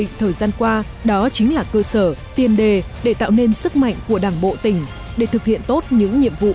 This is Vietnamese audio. và đồng định thời gian qua đó chính là cơ sở tiền đề để tạo nên sức mạnh của đảng bộ tỉnh để thực hiện tốt những nhiệm vụ đề ra